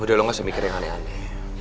udah lo gak usah mikir yang aneh aneh